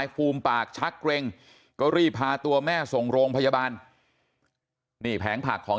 ฟูมปากชักเกร็งก็รีบพาตัวแม่ส่งโรงพยาบาลนี่แผงผักของ